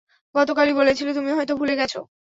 গতকালই বলেছিলে, তুমি হয়তো ভুলে গেছো।